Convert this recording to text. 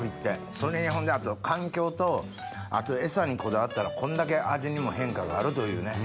それにほんで環境とあと餌にこだわったらこんだけ味にも変化があるというね。